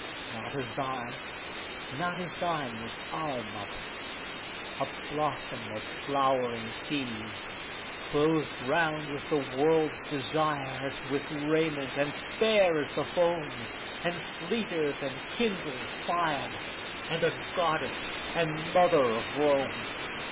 Not as thine, not as thine was our mother, a blossom of flowering seas, Clothed round with the world's desire as with raiment, and fair as the foam, And fleeter than kindled fire, and a goddess, and mother of Rome.